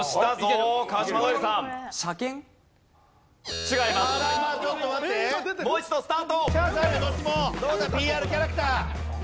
どうだＰＲキャラクター。